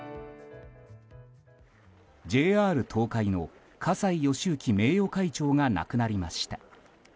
ＪＲ東海の葛西敬之名誉会長が亡くなりました。